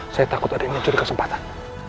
saya takut ada yang mencuri kesempatan